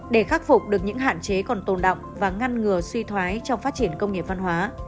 để khắc phục được những hạn chế còn tồn động và ngăn ngừa suy thoái trong phát triển công nghiệp văn hóa